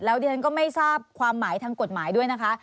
ดิฉันก็ไม่ทราบความหมายทางกฎหมายด้วยนะคะ